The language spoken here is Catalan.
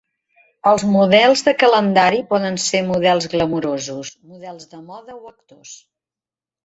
Els models de calendari poden ser models glamurosos, models de moda o actors.